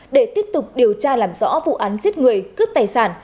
để tiếp tục điều tra làm rõ vụ án giết người cướp tài sản